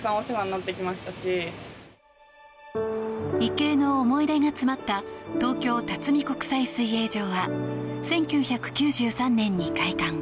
池江の思い出が詰まった東京辰巳国際水泳場は１９９３年に開館。